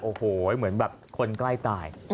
โอ้โหเหมือนแบบคนใกล้ตาย